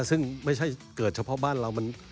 ซึ่งไม่ใช่เกิดเฉพาะบ้านเรา